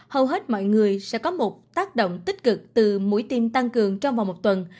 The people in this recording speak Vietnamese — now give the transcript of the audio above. hầu hết mọi người sẽ có một tác động tích cực từ mũi tiêm tăng cường trong vòng một tuần